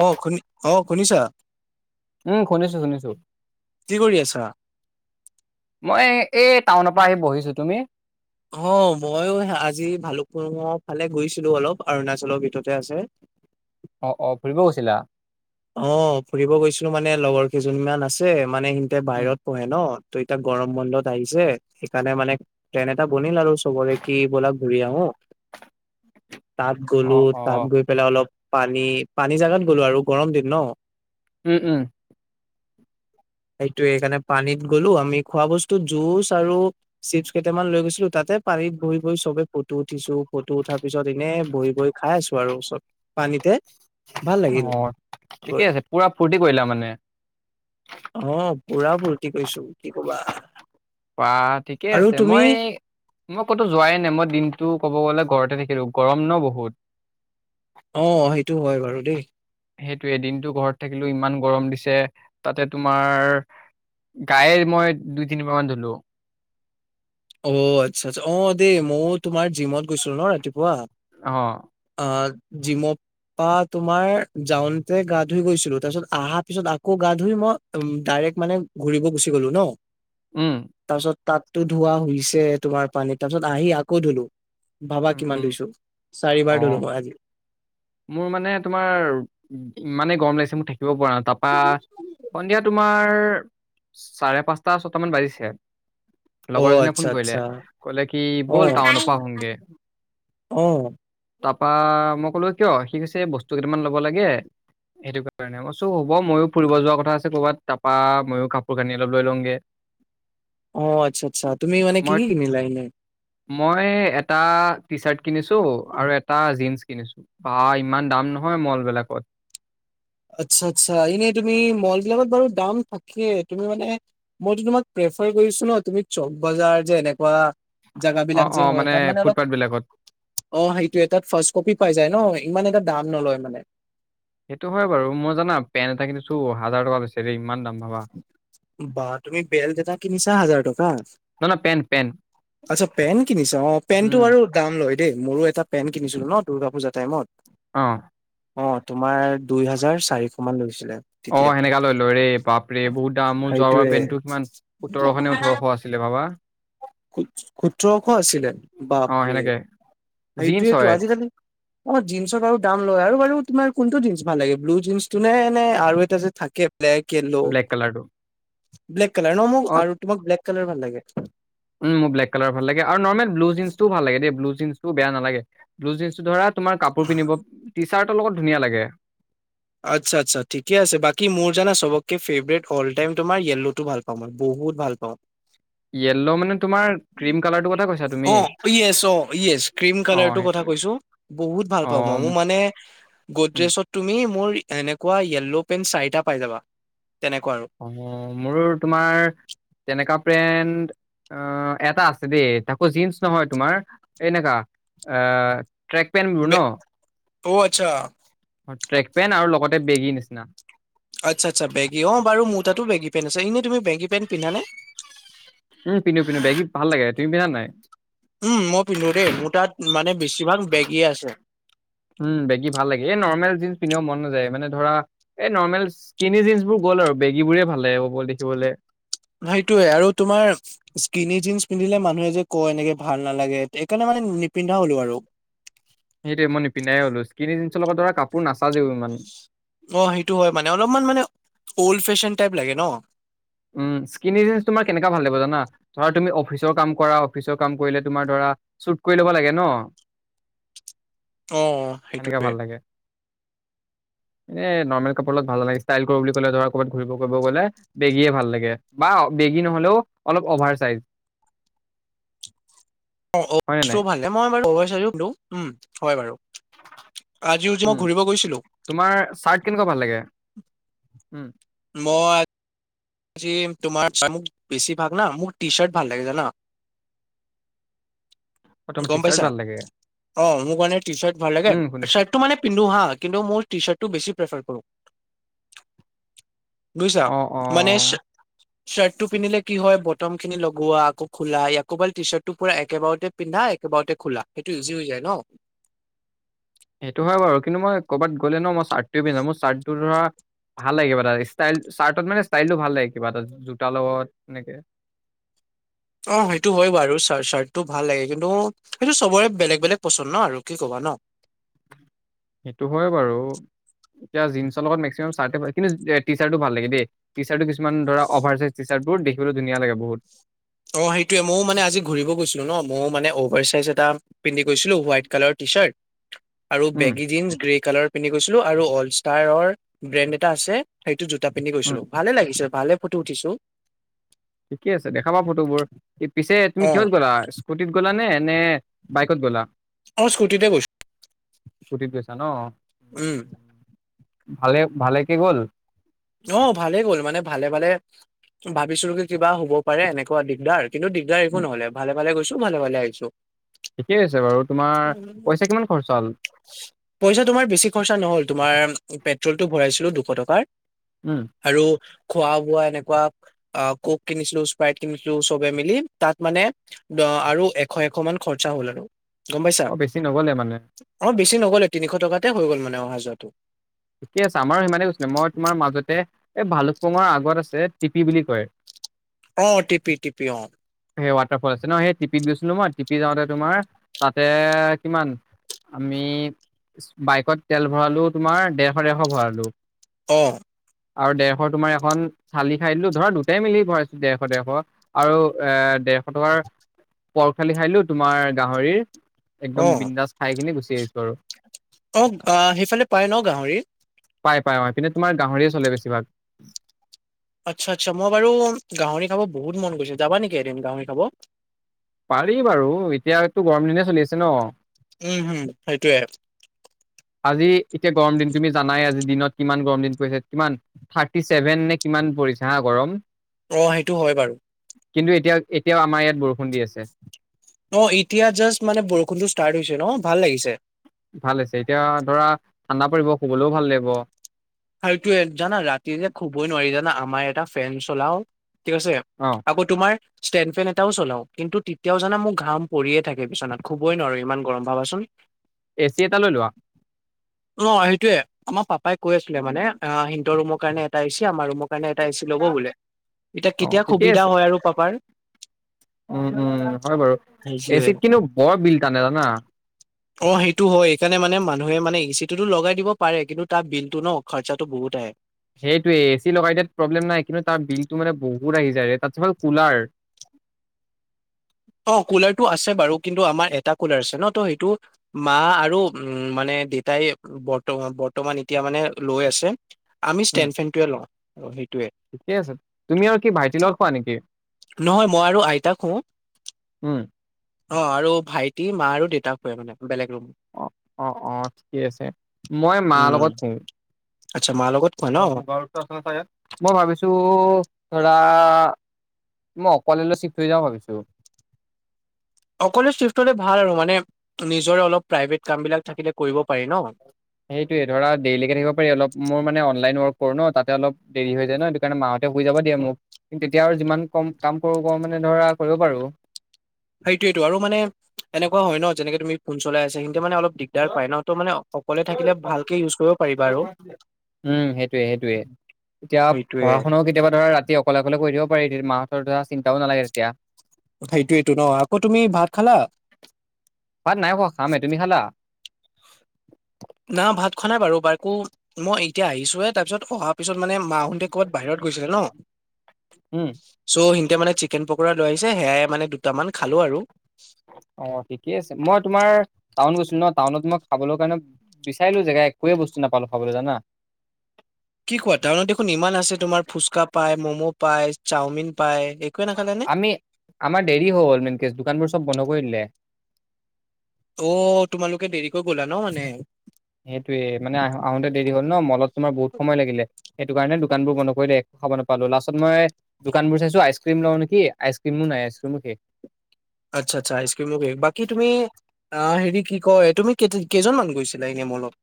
অহ, শুনি অহ শুনিছা। উম শুনিছো শুনিছো কি কৰি আছা? মই এই টাউনৰ পৰা আহি বহিছোঁ। তুমি? অহ, মইয়ো আজি ভালুকপুণৰ ফালে গৈছিলোঁ অলপ অৰুণাচলৰ ভিতৰতে আছে। অহ', অহ' ফুৰিব গৈছিলা? অহ, ফুৰিব গৈছিলোঁ মানে লগৰ কেইজনীমান আছে মানে সিহঁতে উম বাহিৰত পঢ়ে ন'। ত' এতিয়া গৰম বন্ধত আহিছে সেইকাৰণে মানে প্লেন এটা বনিল আৰু চবৰে কি বলা ঘূৰি আহো। [unintelligible] [unintelligible] তাত অ গলোঁ অ তাত গৈ পেলাই অলপ পানী পানী জোগাত গ'লো আৰু গৰম দিন ন'। উম', উম'। সেইটোৱে সেইকাৰণে পানীত গ'লো আমি খোৱা বস্তু জুচ আৰু চিপছ কেইটামান লৈ গৈছিলোঁ তাতে তাতে পানীত বহি-বহি চবে ফটো উঠিছোঁ ফটো উঠাৰ পিছত এনেই বহি-বহি খাই আছোঁ আৰু চব। পানী এইখিনিতে ভাল অ লাগিল। গৈ ঠিকে আছে, পুৰা ফূৰ্তি কৰিলা মানে। অহ, পুৰা ফূৰ্তি কৰিছোঁ কি কবা। বা ঠিকে আৰু আছে, তুমি মই মই ক'তো যোৱাই নাই মই দিন দিনতো ক'ব গ'লে ঘৰতে থাকিলোঁ গৰম ন' বহুত। অহ, সেইটো হয় বাৰু দেই। সেইটোৱে এদিনতো ঘৰত থাকিলেও ইমান গৰম দিছে, তাতে তোমাৰ গায়ে মই দুই তিনিবাৰ মান ধুলো। অহ, আচ্ছা আচ্ছা। অহ, দেই মইয়ো তোমাৰ জিমত গৈছিলো ন' ৰাতিপুৱা। অহ। অহ, জিম তাৰপা তোমাৰ যাওঁনতে গা ধুই গৈছিলোঁ, তাৰপিছত অহা পিছত আকৌ গা ধুই মই উম, ডাই এক মানে ঘূৰিব গুচি গ'লো ন'। উম তাৰপিছত তাতটো ধোৱা হৈছে তোমাৰ পানীত, তাৰপিছত আহি আকৌ ধুলো। ভাবা উম কিমান উম ধুইছোঁ, অ চাৰিবাৰ ধলো মই আজি। মোৰ মানে তোমাৰ ইমানে গৰম লাগিছে মোৰ, থাকিব পৰা নাই তাৰপা সন্ধিয়া তুমি তোমাৰ চাৰে পাঁচটা ছয়টা মান বাজিছে। অ লগৰ এজনীয়ে আচ্ছা ফোন কৰিলে, আচ্ছা ক'লে কি ব'ল টাউনৰ পাৰা আহোগে। অহ। তাৰপা মই ক'লো কিয়? সি কৈছে বস্তু কেইটামান ল'ব লাগে। সেইটো কাৰণে মই চ' হ'ব মইয়ো ফুৰিব যোৱাৰ কথা আছে ক'বাত তাৰপা মইয়ো কাপোৰ কানি অলপ লৈ লওঁগে। অহ, আচ্ছা আচ্ছা। তুমি মানে কি মই কি কিনিলা এনেই? মই এটা টি চাৰ্ট কিনিছোঁ আৰু এটা জীন্স। কিনিছোঁ বা ইমান দাম নহয় মলবিলাকত। আচ্ছা, আচ্ছা, এনে তুমি মল বিলাকত বাৰু দাম থাকিয়ে তুমি মানে মলো তোমাক ছ ন তুমি চক বজাৰ যে এনেকুৱা জাগ অ বিলাক যে অ হয় তাত মানে অলপ ফুটপাথ বিলাকত অ সেইটোয়ে তাত ফাৰ্ষ কপি পাই যায় ন। ইমান এটা দাম নলয় মানে। সেইটো হয় বাৰু মই জানা পেণ্ট এটা কিনিছো হাজাৰ টকা লৈছে দেৰিম। বা তুমি বেল যেটা কিনিছা হাজাৰ টকা। নহয় নহয় পেন্ট পেন্ট আচ্ছা পেন কিনিছা অ পেনটটো উম আৰু দাম লয়। দেই মোৰো এটা পেন কিনিছিলো ন দুৰ্গা পূজা টাইমত। অ', অ', তোমাৰ দুই হাজাৰ চাৰিশ মান লৈছিলে। তেতিয়া অ', এনেকা লৈ লৈ ৰে। পাপৰে বহুত দাম মোৰ যোৱাবাৰ সেইটোৱে পেণ্টটো ইমান সোতৰশ নে ওঠৰশ আছিলে ভাবা। [unintelligible] আছিলে অ বাপৰি। সেনেকে জিন্স সেইটোয়েতটো হয় আজিকালি আমাৰ জিন্ছৰ বাৰু দাম লয় আৰু বাৰু। কোনটো জিনন্ ভাল লাগে ব্লু জিনন্টো নে এনেে আৰু এটা যে থাকে? ব্লেক য়্লো ব্লেক কালাৰটো ব্লেক কালাৰ ন মোক আৰু তোমাক ব্লেক কালাৰ ভাল লাগে। উ মোৰ ব্লেক কালাৰ ভাল লাগে আৰু নৰ্মেল ব্লু জিনন টো ভাল লাগেেই ব্লু। বেয়া নালাগে ব্লু জটো ধৰা তোমাৰ কাপোৰ পিন্ধিব টি চাৰ্টৰ লগত ধুনীয়া লাগে। আচ্ছা আচ্ছা ঠিকে আছে বাকী মোৰ জানা চবকে ফেভৰেট অলটাইম তোমাৰয়েললো ভাল পাওঁ মই বহুত। বহুত ভাল পাওঁ। [unintelligible] য়েল্ল মানে তোমাৰ ক্ৰীম কালাৰটো কথা কৈছা তুমি অ য়েছ অ য়েছ ক্ৰীম অ কালাৰটো কথা সেইটোৱে। কৈছো বহুত ভাল প মই মোৰ মে উম গজত তুি মোৰ। এনেকুৱা য়েল্ল' পেন চাৰিটা পাই যাবা। তেনেকুৱা আৰু অ', মোৰ তোমাৰ তেনেকাা পেণ্ড। অ', এটা আছে দেই তাকো জীন্চ নহয় তোমাৰ এনেকাা এ। ট্ৰেক পেণ্ট বোৰ বে ন অ আচ্ছা ট্ৰেক পেণ্ট আৰু লগতে বেগীৰ নিচিনা। আচ্ছা, আচ্ছ, বেগী অ বাৰু মোৰ তাত বেগ পেন আছ এনেইুি বেগী। পেন্ট পিন্ধানে উম পিন্ধো পিন্ধো বেকি ভাল লাগে তুমি পিন্ধা নাই? উম, মই পিন্ধো দেই মোৰ তাত মানে বেছিভাগ বেগেই আছে। উম বেগী ভাল লাগে এই নৰ্মেল জিনন্ছ পিন্ধিবও মন নাযায় মানে ধৰা এই নৰ্মেল জিন বোৰ। ব আৰু বেগী বোৰে ভালে বব দেখিবলৈ। সেইটোয়ে আৰু তোমাৰ স্কিনি জিনন্ছ পিন্ধিলে মানুহে যে কয় এনেকে ভাল নালাগেেইকাৰণে মান। ম নিপিন্ধা হ'লো আৰু। সেইটোৱে মই নিপিধাইে হ'লো স কিনি জিনন্চৰ লগত ধৰা কাপোৰ নাচাাজেও ইমান। অ', েইটো হয় মানে অলপমান মানে অল্ড ফেশ্বন টাইপ লাগে ন? উম স্কিনজ তোমাৰ কেনেকুৱ ভাল লাগিব জানা ধৰা তুমি অফিচৰ কাম কৰা অফিচৰ কাম কৰিলে তোমাৰ ধৰা। ল ন। অ ', সেইটোৱে। [unintelligible] এ নৰ্মেল কাপোৰত ভাল নালাগে, ষ্টাইল কৰো বুলি ক'লে ধৰ ক'ৰবাত ঘূৰি কৰিব গ'লে বেগী। ল বেগ নহলে অলপ অভাৰ চ। অ', বস ভাল মই বাৰু উম হয় বাৰু। আজিও যে উম মই ঘূৰিব গৈছিলো তোমাৰ চাৰ্ট কেনেকুৱা ভাল লাগে উম। মই। জি তোমাৰ মোক বেছিভাগ না মোক টি চাৰ্ট ভাল লাগে জানা। অ', মাৰ গম টি পাইছা চাৰ্ট ভাল লাগে? অ', মোৰ কাৰণে টি চাৰ্ট ভাল লাগে উম, শুনিছো। চাৰ্ট টো মানে পিন্ধো হা কিন্তু মোৰ টি চাৰ্ টো বেছি প্ৰফাৰ কৰো বুইছা। অ', মানে অ'। চাৰ্ট চাৰ্টটো ঠিক পিন্ধিলে কি হয় ব বটমখিনি লগোৱা আকৌ খোলা আকৌ এবাৰ টিচাৰ্টটো পুৰা একেবাৰতে পিন্ধা একেবাৰতে খোলা সেইটো ইউজি হৈ যায়। ন'। সেইটো হয় বাৰু কিন্তু মই কৰ'বাত গ'লে ন' মই চাৰ্টোৱে পিন্ধা মোৰ চাৰ্টটো ধৰা ভাল লাগিবা তাত ষ্টাইল চাৰ্টত মানে ষ্টাইলটো ভাল লাগে কিবা এটা জোতাৰ লগত এনেকে। অহ, সেইটো হয় বাৰু চা-চাৰ্টটো ভাল লাগে। কিন্তু সেইটো চবৰে বেলেগ বেলেগ পচন্দ ন' আৰু কি কবা ন' সেইটো হয় বাৰু। এতিয়া জিন্সৰ লগত মেকচিমাম চাৰ্ট হয়, কিন্তু টিচাৰ্টটো ভাল লাগে দেই টিচাৰ্টটো কিছুমান ধৰা অভাৰ চাইজ টিচাৰ্ট। বহুত দেখিবলৈ ধুনীয়া লাগে বহুত। অহ, সেইটোযৱে মইয়ো মানে আজি ঘুৰিব গৈছিলোঁ ন'। মইয়ো মানে অভাৰ চাইজ এটা পিন্ধি গৈছিলোঁ, হোৱাইট কালাৰ টি টিচাৰ্ট। আৰু উম, বেগী জীন্স গ্ৰে কালাৰ পিন্ধি গৈছিলোঁ আৰু অলষ্টাৰৰ ব্ৰেণ্ড এটা আছে সেই সেইটো জোতা পিন্ধি উম। গৈছিলোঁ, ভালে লাগিছে ভালে ফটো উঠিছোঁ। ঠিকে আছে দেখাবা ফটোবোৰ, এই পিছে তুমি অ কিহত গলা স্কুটিত গ'লা নে, নে বাইকত গ'লা। অ স্কুটিতে গৈছো স্কুটিত গৈইছা ন' উম ভালে ভালে কি গ'ল। অহ, ভালে গ'ল মানে ভালে-ভালে ভাবিছিলোঁ কি কিবা হ'ব পাৰে এনেকুৱা দিগদাৰ, কিন্তু দিগদাৰ একো নহ'লে ভালে ফালে গৈছোঁ ভালে-ভালে আহিছোঁ। ঠিকেই আছে বাৰু তোমাৰ, পইচা কিমান খৰচা হ'ল? পইচা তোমাৰ বেছি খৰচা নহ'ল তোমাৰ পেট্ৰলটো কৰাইছিলোঁ দুশ টকাৰ উম আৰু খোৱা বোৱা এনেকুৱা ক'ক কিনিছিলোঁ স্প্ৰাইট কিনিছিলোঁ চবে মিলি তাত মানে দহ অহ, আৰু এশ এশ মান খৰচা হ'ল আৰু। গম পাইছা, অ বেছি নগ'লে মানে অহ বেছি নিলে তিনিশ টকাতে হৈ গ'ল মানে অহা যোৱাটো। ঠিকে আছে আমাৰো সিমানে গৈছিলে মই তোমাৰ মাজতে এই ভালুকপঙৰ আগত আছে টিপি বুলি কয়। অ টিপি টিপি অ সেই ৱাটাৰফলছে ন' সেই টিপিত কিন্তু মই টিপি যাওঁতে তোমাৰ তাতে কিমান আমি বাইকত তেল ভৰালোঁ তোমাৰ দেৰশ দেৰশ ভৰালোঁ। অহ। আৰু দেৰশ তোমাৰ এখন থালি খাই দিলোঁ, ধৰা দুটাই মিলি ভৰাইছোঁ দেৰশ-দেৰশ আৰু এ দেৰশ টকাৰ পৰ খালি খাই দিলোঁ তোমাৰ গাহৰিৰ। একদম বিন্দাজ খাই কিনি গুচি আহিছোঁ আৰু। অহ, আহ সেইফালে পায় ন' গাহৰি। পায়, পায়। অহ, এইপিনে তোমাৰ গাহৰিয়ে চলে বেছিভাগ। আচ্ছা, আচ্ছা। মই বাৰু গাহৰি খাব বহুত মন গৈছে যাবা নেকি এদিন গাহৰি খাব? পাৰি বাৰু এতিয়াতো গৰম দিনেই চলি আছে ন'। উম', হম' সেইটোৱে। আজি এতিয়া গৰম দিন, তুমি জানাই আজি দিনত কিমান গৰম দিন পৰিছে কিমান, থাৰ্টি চছেভেন নে কিমান পৰিছে হা গৰম? অহ, সেইটো হয় বাৰু। কিন্তু এতিয়া এ অহ, এতিয়া জাষ্ট মানে বৰষুণতটো ষ্টাৰ্ট হৈছে ন' ভাল লাগিছে। ভাল হৈছে এতিয়া ধৰা ঠাণ্ডা পৰিব। শুবলৈও ভাল লাগিব আৰু এইটোৱে জানা ৰাতি যে শুবই নোৱাৰি জানা, আমাৰ এটা ফেন চলাওঁ। ঠিক আছে। অ আকৌ তোমাৰ? ষ্টেণ্ড ফেন এটাও চলাওঁ কিন্তু তেতিয়াও জানা মোৰ ঘাম পৰিয়ে থাকে বিচনাত, শুবই নোৱাৰো ইমান গৰম ভাবাচোন। এ চি এটা লৈ লোৱা। ন' সেইটোৱে আমাৰ পাপাই কৈ আছিলে মানে সিন্তৰ ৰুমৰ কাৰণে এটা এই চি কি আমাৰ ৰুমৰ কাৰণে এটা এ চি ল'ব বোলে। এতিয়া অ কেতিয়া ঠিকেই সুবিধা আছে হয় আৰু পাপাৰ। উম, উম, হয় বাৰু সেইটোৱে এচিত কিন্তু বৰ বিল টানে জানা অ', সেইটো হয় সেইকাৰণে মানে মান মানুহে মানে ই চি টোতো লগাই দিব পাৰে কিন্তু তাৰ বিলতটো ন খৰচাো বহুত আহে সেইটোয়ে এ চি লগাইাত প্ৰব্লেম নাই কিন্তু তাৰ বিল টো মানে বহুত আহি যায় তাতছফল কুলাৰ অ', কুলাৰ টো আছে বাৰু কিন্তু আমাৰ এটা কুলাৰ আছে ন ত সেইটো মা আৰু উ মানে দেতাই বৰ বৰ্তমান এতিয়া মানে লৈ আছে আমি উম টেন এটভ ল ঠিকে আছে তুমি আৰু কি ভাইটিৰ লগত খোৱা নেকি নহয় মই আৰু আইতাক শুও উম, অ', ৰু ভাইটি মা আৰু দেউতাক হয় মানে বেলেগ ৰুম অ', অ ', ঠিকে আছে মই মাৰ উম লগত শুওঁ আচ্ছা মাৰ লগত খোৱা ন অ', বতো আছে ন চ ইয়াত মই ভাবিছো ধৰা, মই অকলেলৈ শিক থৈ যাওঁ ভাবিছো অকলে চিফ্ট হলে ভাল আৰু মানে, নিজৰে অলপ প্ৰাইভেট কাম বিলাক থাকিলে কৰিব পাৰি ন সেইটোোৱে ধৰা ডেইলকে থাকিব পাৰি অলপ মোৰ মানে অনলাইন ৱৰ্ক কৰো ন তাতে অলপ দেৰি হৈ যায় ন স কাৰণে মাহ তেয়া বুজ যাব দিয়ে মোক কিন্তু তেতিয়া আৰু যিমান কম কাম কৰো ক মানে ধৰা কৰিব পাৰো সেইটোয়েইটো আৰু মানে এনেকুৱা হয় ন যেনেকে তুমি ফোন চলাই আছা তিয়া মানে অলপ দিগদাৰ পায় ন, তো মানে সকোৱলে থাকিলে ভালকে ইউজ কৰিব পাৰিবা আৰু উম, সেইটোয়ে সেইটোয়ে এতিয়া সেইটোয়ে পঢ়া শুনাও কেতিয়াবা ধৰা ৰাতি অকলে অকলে কৰি দিব- মাহতৰ ধৰা চিন্তাও নাগে তেতিয়া কথা এইটোৱ এইটো ন আকৌ তুমি ভাত খালা [unintelligible] নাই খামে তুমি খালা? না ভাত খোৱা নাই বাৰু, বাৰ একো মই এতিয়া আহিছোে তাৰপিছত অ ত পিছত মানে মাহতে কৰ'বাত বাহিৰত গৈছিলে ন, উম চ' সিহতে মানে চিকেন পকৰা লৈাইছে সেয়াই মানে দুামান অ', ঠিকে আছে, মই তোমাৰ টাউন গ ন টাউনত মই খাবলৈ কাৰণে বিচাৰিলো জেগা একোৱে বস্তু নাপালো খাবলৈ জানা কি কোৱা টাউনত দেখোন ইমান আছে তোমাৰ ফুচকা পাই ম'ম' পাই চাওমিন পায় একোৱে নাখালে নে? আমি আমাৰ দেৰি হ হ'ল মেনকে দোকানবোৰ চব বন্ধ কৰি দিললে অ' তোমালোকে দেৰিকৈ গ'লা ন মানে সেইটোয়ে মানে আহ আহোতে দেৰি হ'ল ন মলত তোমাৰ বহুত সময় লাগিলে সেইটো কাৰণে দোকান বোৰ বন্ কৰি দ দেে খাব নাপালো লাষ্টত মই দোকান বোৰ চাইছো আইচক্ৰীম ল কি আইক্ৰিম নাই আইক্ৰমো আচ্ছা, আচ্ছা, আইচ কিম বাকী তুমি অ হেৰি কি কয় তুমি কেইজনমানান গৈছিলা এনে মলত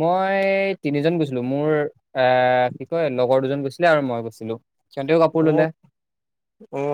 মই তিনিজন গৈছিলো, মোৰ এ কি কয় লগৰ দুজন গৈছিলে আৰু মই গৈছিলো সিহঁতেও কাপোৰ ললে অ',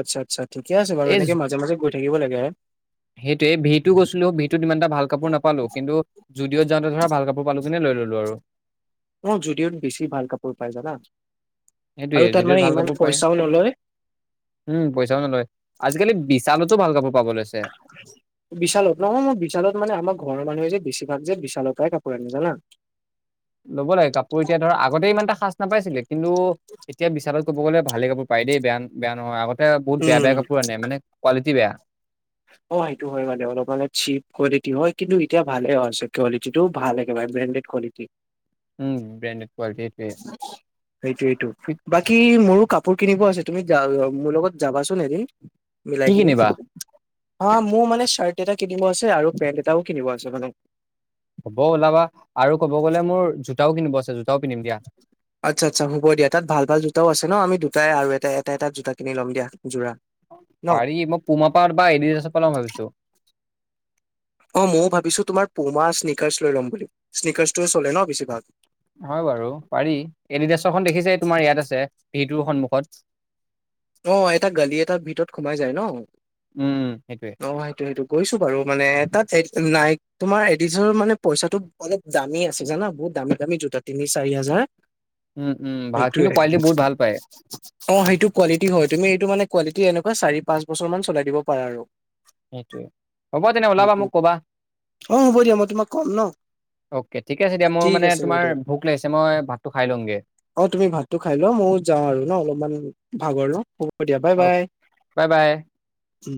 আচ্ছা, আচ্ছা, ঠিকে আছে বাৰু এই এনেকে মাজে মাজে গৈ থাকিব লাগে হ সেইটোৱে ভহিটো গৈছিলো ভহটোত ই এটা ভাল কাপোৰ নাপালো কিন্তু ষ্টুডিঅত যাওঁতে ধৰা ভাল কাপোৰ পালো কিনে লৈ ললো আৰু অ', যদিঅত বেছি ভাল কাপোৰ পাই জানা সেইটোৱে আৰু তাত যদি মানে ভাল ইমান কাপোৰ পায় পইচাও নলয় উম পইচাও নলয় আজিকালি বিশালতো ভাল কাপোৰ পাবলৈছে বিশালত নহয় মোৰ বিশালত মানে আমাৰ ঘৰৰ মানুহে যে বছিভাগ যে বিশালতাই কাপোৰ আনিনে জানা ল'ব লাগে কাপোৰ এতিয়া ধৰ আগতে ইমান এটা সাঁচ নাপাইছিলে কিন্তু এতিয়া বিশালত ক'ব গ'লে ভালেই কাপোৰ পায় দেই বেয়া বেয়া নহয় আগতে বহুত বেয়া বেয়া কাপোৰ আনে মানে কোৱালি বেয়া অ', সেইটো হয় মানে অলপ অলপ চিপ কোৱালিটি হয় কিন্তু এতিয়া ভালে হৈছে কোৱালিটি টো ভাল একে ম ব্ৰানণ্ডেড কালিটি উম বেন সেইটো ইটো বাকী মোৰো কাম কিনিব আছে তুমি য মোৰ লগত যাবাচোন এদিন কি মিলাই কিনি কিনিবা অ', মোৰ মানে চাৰ এটা কিনিব আছে আৰু পেণ্ট এটাও কিনিব আছে মানে হ'ব ওলাবা আৰু ক'ব গ'লে মোৰ জোতাও কিনিব আছে জোতা আচ্ছা, আচ্ছা, হ'ব দিয়া তাত ভাল ভাল জোতাও আছে ন আমি দু জাই আৰু এটা এটা এটা জোতা কিনি ল' দিয়া যোৰা ন পাৰি মই পুমা পাৰ বা এডিদাচৰ পৰা লাম ভাবিছো অ ', ময়ো ভাবিছো তোমাৰ পুমা স্নিকাৰ্চ লৈ ল'ম বুলি স্নিকছটো চলে ন বেছিভাগ হয় বাৰু, পাৰি এডডশখন দেখিছে তোমাৰ ইয়াত আছে ভটোৰ সন্মুখত উ অ', টা গালি এটটা ভিতৰত সোমাই যায় ন অ', উম সেইটোৱে। সেইটো সেইটো গৈছো বাৰু মানে তাত নাই তোমাৰ এডিছৰ মানে পইচাটো অলপ দামী আছে জানা বহুত দামী দামী জোতা তিনি চাৰি হাজাৰ উম উম ভাল সেইটোৱে কিন্তু কোৱালিটি বহুত ভাল পায় অ', সেইটো হয়, তুমি এইটো মানে কোৱলিটি এনেকুৱ চাৰি পাঁচ বছৰান চলাই দিবাৰা আৰু সেইটোৱে হ'ব তেনে ওলাবা সেইটো মোক কবা অ', হ'ব দিয়া মই তোমাক ক'ম ন অকে ঠিকে আছে দিয়া মোৰ ঠিক মানে আছে হ'ব তোমাৰ দিয়া ভোক লাগিছে মই ভাতটো খাই লমগে অ', তুমি ভাতটো খাই লোৱা ময়ো যাওঁ আৰু ন অলপমান ভাগৰ ল অ', বাই বা উম